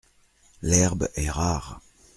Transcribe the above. L'herbe est rare.